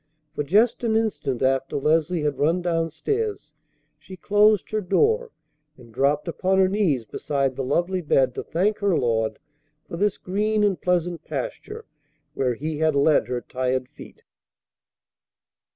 For just an instant after Leslie had run down stairs she closed her door, and dropped upon her knees beside the lovely bed to thank her Lord for this green and pleasant pasture where He had led her tired feet.